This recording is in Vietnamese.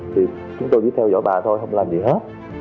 thì chúng tôi mới theo dõi bà thôi không làm gì hết